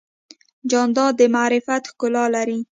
جانداد د معرفت ښکلا لري.